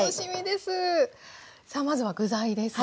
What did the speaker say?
さあまずは具材ですが。